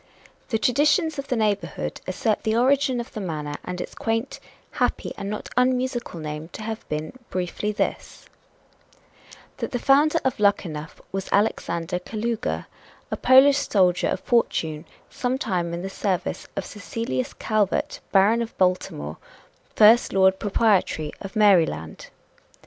The traditions of the neighborhood assert the origin of the manor and its quaint, happy and not unmusical name to have been briefly this: That the founder of Luckenough was Alexander Kalouga, a Polish soldier of fortune, some time in the service of Cecilius Calvert, Baron of Baltimore, first Lord Proprietary of Maryland.